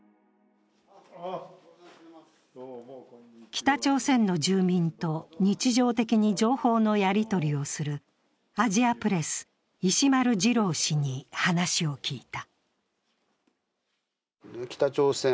北朝鮮の住民と日常的に情報のやりとりをするアジアプレス、石丸次郎氏に話を聞いた。